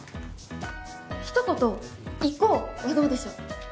ひと言行こうはどうでしょう？